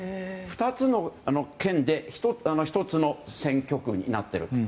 ２つの県で１つの選挙区になっている。